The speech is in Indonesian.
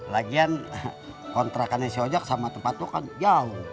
lagian kontrakannya si ojak sama tempat lo kan jauh